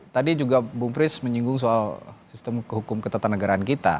tadi juga bung fris menyinggung soal sistem hukum ketatanegaraan kita